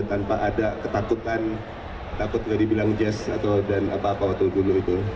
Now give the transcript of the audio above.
tanpa ada ketakutan takut nggak dibilang jazz atau dan apa apa waktu dulu itu